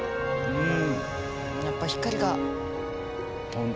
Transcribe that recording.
うん？